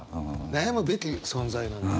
悩むべき存在なんだと。